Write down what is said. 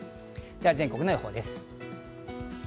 全国の予報です。